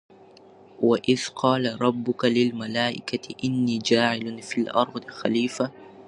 وَإِذْ قَالَ رَبُّكَ لِلْمَلٰٓئِكَةِ إِنِّى جَاعِلٌ فِى الْأَرْضِ خَلِيفَةً ۖ